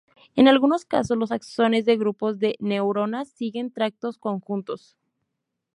En algunos casos los axones de grupos de neuronas siguen tractos conjuntos.